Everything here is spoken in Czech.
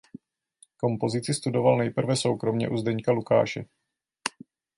Kompozici studoval nejprve soukromě u Zdeňka Lukáše.